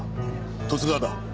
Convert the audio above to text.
十津川だ。